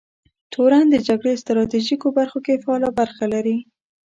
تورن د جګړې ستراتیژیکو برخو کې فعاله برخه لري.